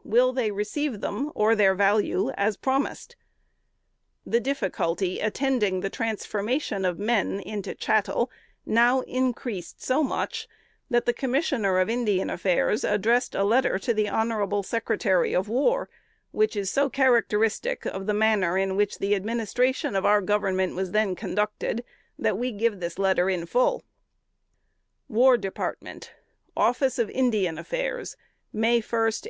_ Will they receive them, or their value, as promised?" The difficulty attending the transformation of men into chattels now increased so much, that the Commissioner of Indian Affairs addressed a letter to the Hon. Secretary of War, which is so characteristic of the manner in which the administration of our Government was then conducted, that we give the letter in full: "WAR DEPARTMENT, "Office of Indian Affairs, May 1, 1838.